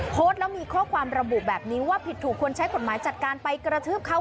โพสต์แล้วมีข้อความระบุแบบนี้ว่าผิดถูกควรใช้กฎหมายจัดการไปกระทืบเขา